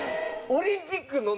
オリンピックの。